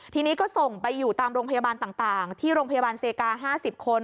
ทีนี้ก็ส่งไปอยู่ตามโรงพยาบาลต่างที่โรงพยาบาลเซกา๕๐คน